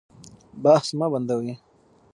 بحث مه بندوئ.